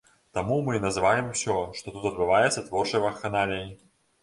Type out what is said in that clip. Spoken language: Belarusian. Таму мы і называем усё, што тут адбываецца творчай вакханаліяй.